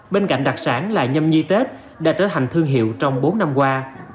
bên cạnh đặc sản là nhâm nhi tết đã trở thành thương hiệu trong bốn năm qua